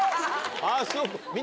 あっそう。